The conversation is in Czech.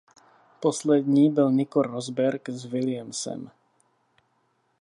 Poslední byl Nico Rosberg s Williamsem.